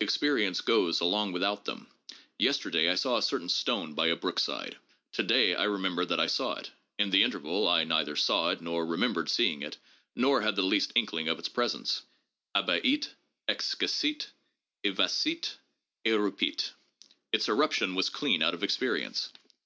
Experience goes along without them. Yesterday I saw a certain stone by a brookside. To day I remember that I saw it. In the interval I neither saw it nor remembered seeing it, nor had the least inkling of its presence. Abiit, excessit, evasit, erupit. Its eruption was clean out of experi ence.